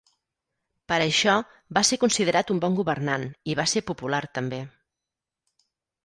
Per això, va ser considerat un bon governant i va ser popular també.